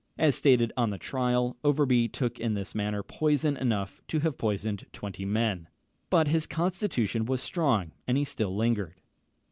As stated on the trial, Overbury took in this manner poison enough to have poisoned twenty men; but his constitution was strong, and he still lingered.